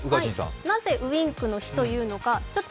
なぜウインクのというのか。